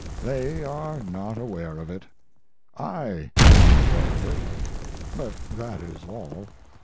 They are not aware of it. I am aware of it, but that is all.